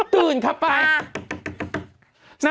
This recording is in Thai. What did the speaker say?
ตื่นนะไอล์